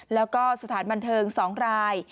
แล้วก็สถานบันเทิง๒ราย